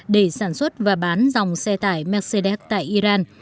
để sản xuất và bán dòng xe tải mercedes tại iran